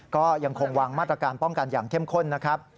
ก็ยังคงวางมาตรการป้องกันอย่างเข้มข้นนะครับ